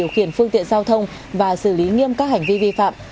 điều khiển phương tiện giao thông và xử lý nghiêm các hành vi vi phạm